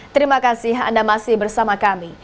terima kasih anda masih bersama kami